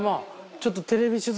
ちょっとテレビ取材